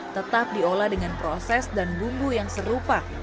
tetap diolah dengan proses dan bumbu yang serupa